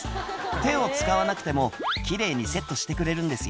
「手を使わなくても奇麗にセットしてくれるんですよ」